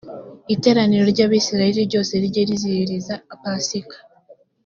iteraniro ry abisirayeli ryose rijye riziririza pasika